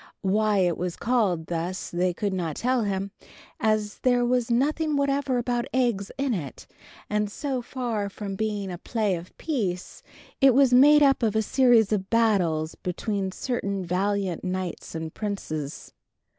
Why it was called thus they could not tell him, as there was nothing whatever about eggs in it, and so far from being a play of peace, it was made up of a series of battles between certain valiant knights and princes.